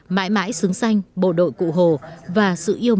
mãi mãi sướng xanh bộ đội cụ hồ và sự yên tâm